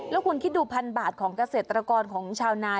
แล้วคุณคิดดูพันบาทของเกษตรกรของชาวนา